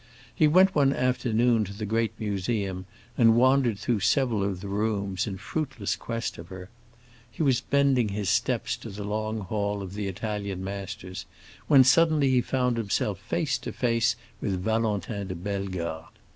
He went one afternoon to the great museum, and wandered through several of the rooms in fruitless quest of her. He was bending his steps to the long hall of the Italian masters, when suddenly he found himself face to face with Valentin de Bellegarde.